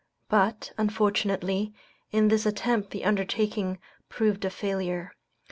But, unfortunately, in this attempt the undertaking proved a failure.